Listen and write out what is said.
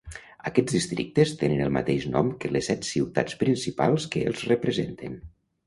Aquests districtes tenen el mateix nom que les set ciutats principals que els representen.